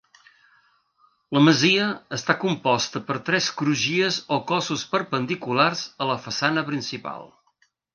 La masia està composta per tres crugies o cossos perpendiculars a la façana principal.